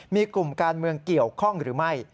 มีกลุ่มการเมืองเกี่ยวข้องหรือไม่